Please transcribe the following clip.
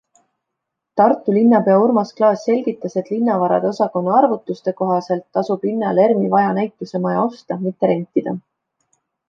Tartu linnapea Urmas Klaas selgitas, et linnavarade osakonna arvutuste kohaselt tasub linnal ERMi vana näitusemaja osta, mitte rentida.